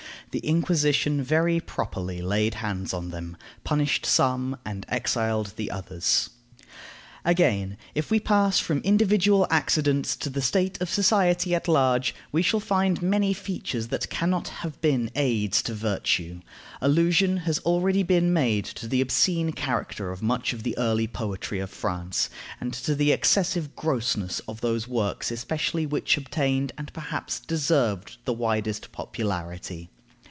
The Inquisition very properly laid hands on them, punished some, and exiled the others. Again: if we pass from individual accidents to the state of society at large, we shall find many features that can not have been aids to virtue. Allusion has already been made to the obscene character of much of the early poetry of France, and to the excessive grossness of those works especially which obtained, and perhaps deserved, the widest popularity.